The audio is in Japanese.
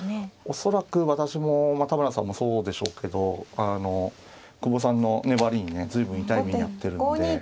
恐らく私も田村さんもそうでしょうけどあの久保さんの粘りにね随分痛い目に遭ってるんで。